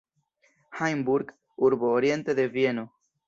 Hajnburg, urbo oriente de Vieno.